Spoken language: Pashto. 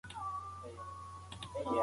سردرد د فشار زیاتېدو سره بدتر کېږي.